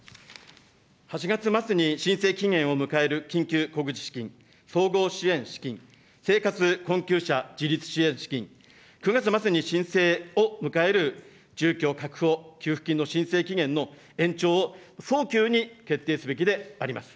８月末に申請期限を迎える緊急小口資金、総合支援資金、生活困窮者自立支援資金、９月末に申請を迎える住居確保給付金の申請期限の延長を早急に決定すべきであります。